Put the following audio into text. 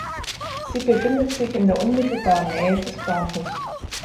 Sie befindet sich in der unmittelbaren Nähe des Bahnhofs.